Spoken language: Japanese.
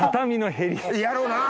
やろうな！